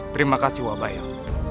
terima kasih wabahir